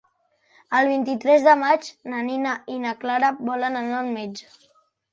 El vint-i-tres de maig na Nina i na Clara volen anar al metge.